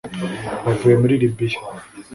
bavuye muri Libya